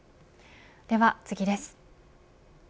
では次です。